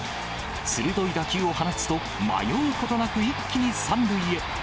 鋭い打球を放つと、迷うことなく一気に３塁へ。